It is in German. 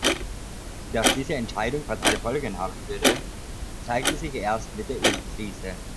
Dass diese Entscheidung fatale Folgen haben würde, zeigte sich erst mit der Ölkrise.